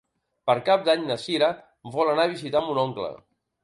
Per Cap d'Any na Sira vol anar a visitar mon oncle.